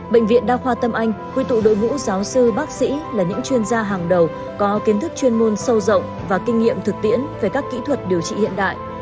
bệnh viện đa khoa tâm anh quy tụ đội ngũ giáo sư bác sĩ là những chuyên gia hàng đầu có kiến thức chuyên môn sâu rộng và kinh nghiệm thực tiễn về các kỹ thuật điều trị hiện đại